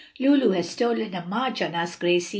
"Lulu has stolen a march on us, Gracie."